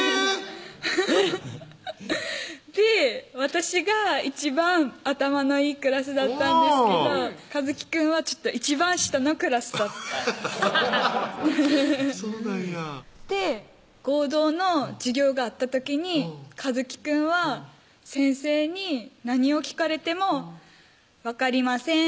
フフフフッで私が一番頭のいいクラスだったんですけど一紀くんは一番下のクラスだったそうなんや合同の授業があった時に一紀くんは先生に何を聞かれても「分かりません」